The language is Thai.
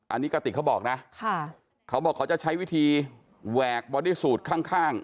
อันนี้กระติกเขาบอกนะเขาบอกเขาจะใช้วิธีแหวกบอดี้สูตรข้าง